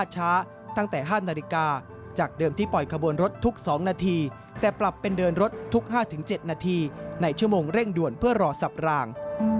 จุดสับราง